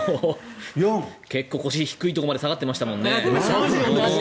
結構腰、低いところまで下がってましたもんね。